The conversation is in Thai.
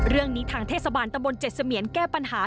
เรื่องนี้ทางเทศบาลตะบนเจ็ดเสมียนแก้ปัญหา